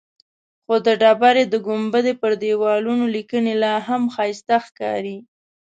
خو د ډبرې د ګنبد پر دیوالونو لیکنې لاهم ښایسته ښکاري.